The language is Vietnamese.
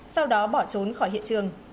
sau đó bỏ trốn khỏi hiện trường